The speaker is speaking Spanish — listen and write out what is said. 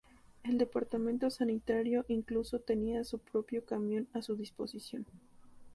El departamento sanitario incluso tenía su propio camión a su disposición.